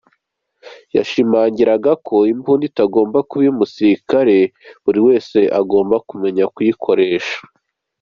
Yashimangiraga ko imbunda itagomba kuba iy’umusirikare, buri wese agomba kumenya kuyikoresha.